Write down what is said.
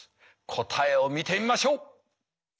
答えを見てみましょう！